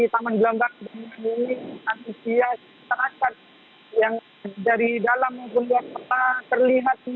di taman belambang banyuwangi ethno carnival antusias terasar